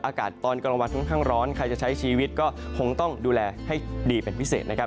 อากาศตอนกลางวันค่อนข้างร้อนใครจะใช้ชีวิตก็คงต้องดูแลให้ดีเป็นพิเศษนะครับ